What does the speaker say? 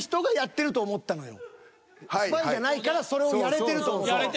スパイじゃないからそれをやれてると思った。